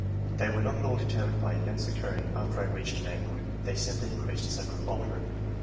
They were not at all determined by events occurring after I reached manhood ; they simply increased as I grew older."